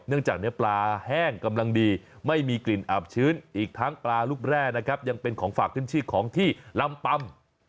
เนื่องจากปลาแห้งกำลังดีไม่มีกลิ่นอาบชื้นอีกทั้งปลารูกแร่ยังเป็นของฝั่งที่รำปำ